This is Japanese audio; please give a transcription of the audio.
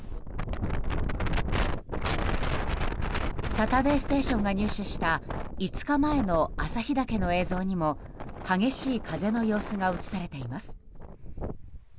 「サタデーステーション」が入手した５日前の朝日岳の映像にも激しい風の様子が映されています。